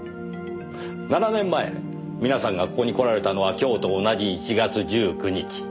７年前皆さんがここに来られたのは今日と同じ１月１９日。